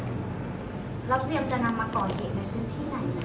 แล้วเตรียมจะนำมาก่อเหตุไหนคือที่ไหนนะฮะ